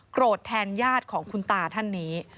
แทนญาติของคุณตาท่านนี้